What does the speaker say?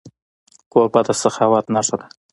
کوربه د سخاوت نښه ده.